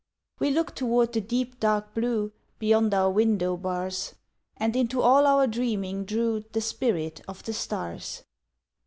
We looked toward the deep dark blue Beyond our window bars, And into all our dreaming drew The spirit of the stars.